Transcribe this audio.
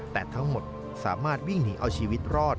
แต่ทั้งหมดสามารถวิ่งหนีเอาชีวิตรอด